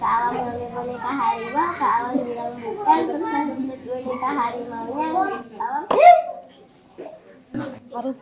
kalau mereka hari mau kalau mereka